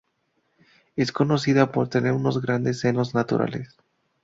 Es conocida por tener unos grandes senos naturales.